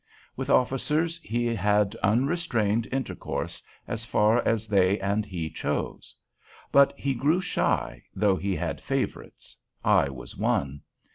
With officers he had unrestrained intercourse, as far as they and he chose. But he grew shy, though he had favorites: I was one.